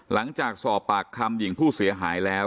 หลังจากสอบปากคำหญิงผู้เสียหายแล้ว